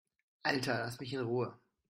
Alter, lass mich in Ruhe!